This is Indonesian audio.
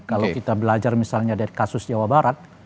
kalau kita belajar misalnya dari kasus jawa barat